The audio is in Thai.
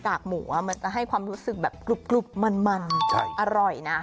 กหมูมันจะให้ความรู้สึกแบบกรุบมันอร่อยนะ